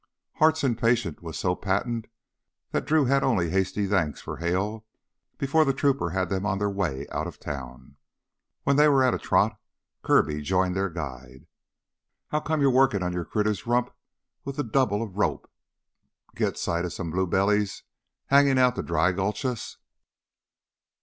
Hart's impatience was so patent that Drew had only hasty thanks for Hale before the trooper had them on their way out of town. When they were at a trot Kirby joined their guide. "How come you workin' on your critter's rump with a double of rope? Git sight of some blue belly hangin' out to dry gulch us?"